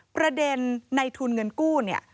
ประเด็นในทุนเงินกู้เนี่ย